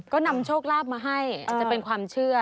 ก็นำโชคลาภมาให้อาจจะเป็นความเชื่อ